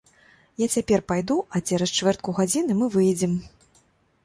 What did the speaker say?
Я цяпер пайду, а цераз чвэртку гадзіны мы выедзем.